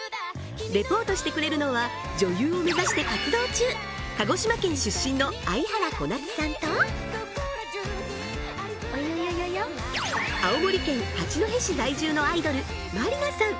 レポートしてくれるのは女優を目指して活動中鹿児島県出身の愛原こなつさんとおよよよよ青森県八戸市在住のアイドル真理奈さん